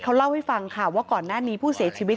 เขาเล่าให้ฟังค่ะว่าก่อนหน้านี้ผู้เสียชีวิต